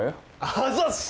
あざっす！